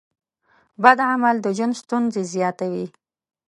بد عمل د ژوند ستونزې زیاتوي.